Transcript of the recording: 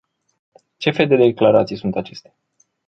Ce fel de declarații sunt acestea?